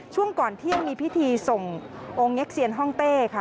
ช่วงก่อนเที่ยงมีพิธีส่งองค์เง็กเซียนห้องเต้ค่ะ